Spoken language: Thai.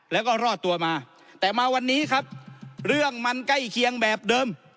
แล้วก็รอดตัวมาแต่มาวันนี้ครับเรื่องมันใกล้เคียงแบบเดิม